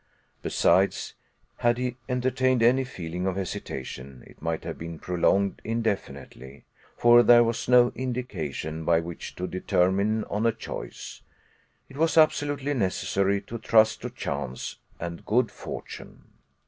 Besides, had he entertained any feeling of hesitation it might have been prolonged indefinitely, for there was no indication by which to determine on a choice. It was absolutely necessary to trust to chance and good fortune!